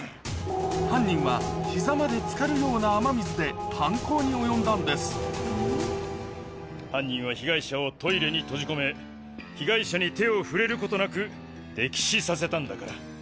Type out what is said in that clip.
犯人は膝までつかるような雨水で犯行に及んだんです犯人は被害者をトイレに閉じ込め被害者に手を触れることなく溺死させたんだから。